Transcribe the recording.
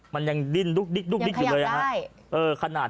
มันยังดื่นลุกดิ๊กทิวเลยฮะยังขยับได้